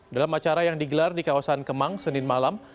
dalam acara yang digelar di kawasan kemang senin malam